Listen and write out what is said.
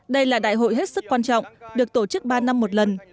đây là đại hội hết sức quan trọng được tổ chức ba năm một lần